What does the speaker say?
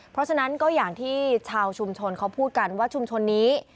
เพราะฉะนั้นก็อย่างที่ชาวชุมชนเขาพูดกันว่าชุมชนนี้